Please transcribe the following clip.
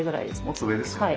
もっと上ですよね。